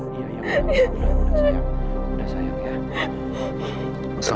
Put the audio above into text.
udah sayang udah sayang